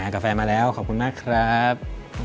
กับแฟนมาแล้วขอบคุณมากครับ